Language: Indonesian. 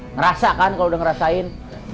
ngerasa kan kalau udah ngerasain